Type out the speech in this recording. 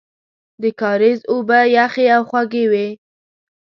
د کاریز اوبه یخې او خوږې وې.